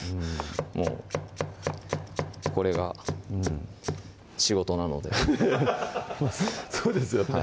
もうこれが仕事なのでそうですよね